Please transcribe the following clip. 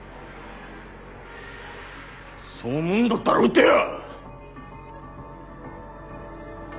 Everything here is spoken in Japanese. そう思うんだったら撃てよ！